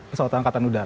pesawat angkatan udara